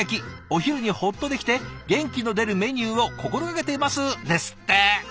お昼にほっとできて元気の出るメニューを心がけています」ですって。